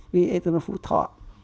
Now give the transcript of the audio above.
vì ethanol phú thọ